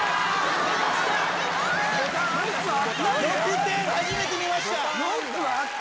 ６点初めて見ました。